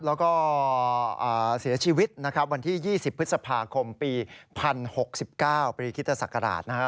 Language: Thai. แล้วก็เสียชีวิตวันที่๒๐พฤษภาคมปี๑๐๖๙ปคิตสักราชนะครับ